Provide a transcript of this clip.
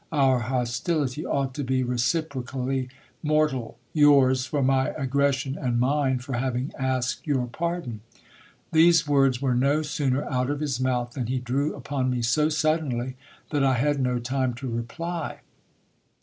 Our hostility ought to be reciprocally mortal ; yours, for my ag gression, and mine, for having asked your pardon. These words were no soc ner out of his mouth, than he drew upon me so suddenly, that I had no tiire to reply.